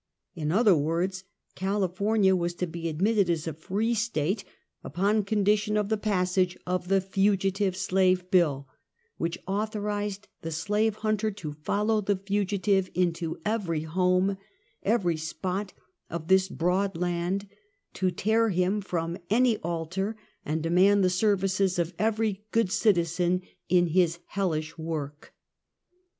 In other words, California was to be admitted as a free State, upon condition of the passage of the Fugitive Slave Bill, which authorized the slave hunter to follow the fugitive into every home, every spot of this broad land ; to tear him from any altar, and demand the services of every " good citizen " in his hellish work.